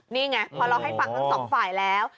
นี่ไงพอเราให้ฟังทั้งสองฝ่ายแล้ว